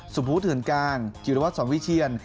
สุภุถือนกลางจิรวรรษสวิเชียน